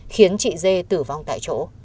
khiến chị d tử vong tại chỗ